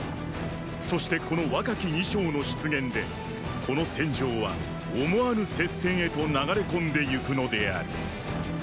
そしてこの若き二将の出現でこの戦場は思わぬ接戦へと流れ込んでゆくのである。